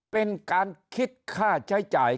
เป็นการคิดค่าใช้จ่าย